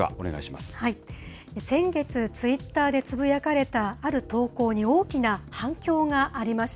先月、ツイッターでつぶやかれたある投稿に大きな反響がありました。